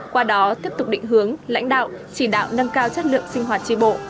qua đó tiếp tục định hướng lãnh đạo chỉ đạo nâng cao chất lượng sinh hoạt tri bộ